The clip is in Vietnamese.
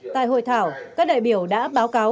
tại hội thảo các đại biểu đã báo cáo